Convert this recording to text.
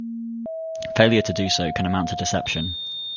Failure to do so can amount to deception.